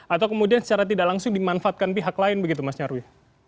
atau kemudian secara tidak langsung dimanfaatkan pihak lain begitu mas nyarwi